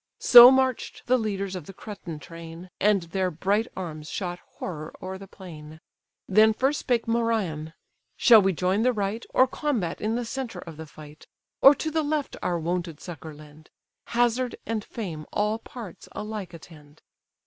So march'd the leaders of the Cretan train, And their bright arms shot horror o'er the plain. Then first spake Merion: "Shall we join the right, Or combat in the centre of the fight? Or to the left our wonted succour lend? Hazard and fame all parts alike attend."